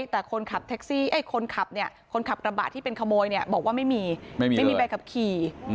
แต่คนขับกระบะที่เป็นขโมยบอกว่าไม่มีไม่มีใบขับขี่